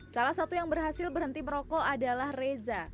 salah satu yang berhasil berhenti merokok adalah reza